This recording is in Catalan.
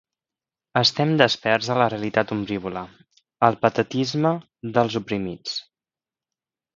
Estem desperts a la realitat ombrívola, al patetisme dels oprimits.